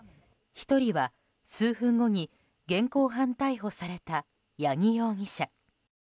１人は数分後に現行犯逮捕された八木容疑者。